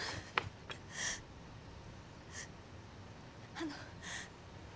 あの！